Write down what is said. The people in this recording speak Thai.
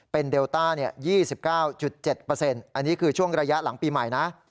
เป็นเดลต้า๒๙๗อันนี้คือช่วงระยะหลังปีใหม่นะ